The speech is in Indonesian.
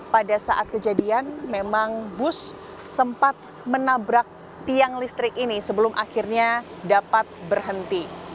pada saat kejadian memang bus sempat menabrak tiang listrik ini sebelum akhirnya dapat berhenti